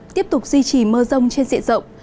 tiếp tục duy trì mưa rông trên diện rộng